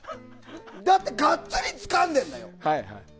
だってガッツリつかんでるんだよ。